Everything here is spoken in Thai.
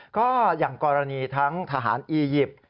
ก็อย่างกรณีทั้งทหารอียิปต์